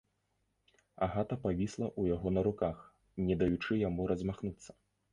Агата павісла ў яго на руках, не даючы яму размахнуцца.